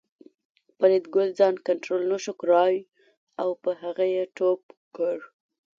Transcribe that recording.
فریدګل ځان کنترول نشو کړای او په هغه یې ټوپ کړ